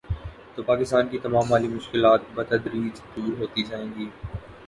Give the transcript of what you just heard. تو پاکستان کی تمام مالی مشکلات بتدریج دور ہوتی جائیں گی۔